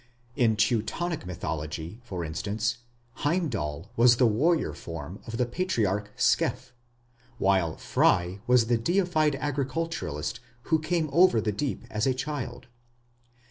In Teutonic mythology, for instance, Heimdal was the warrior form of the patriarch Scef, while Frey was the deified agriculturist who came over the deep as a child.